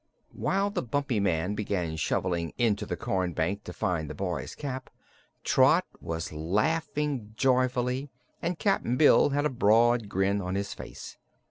While the Bumpy Man began shoveling into the corn bank to find the boy's cap, Trot was laughing joyfully and Cap'n Bill had a broad grin on his face.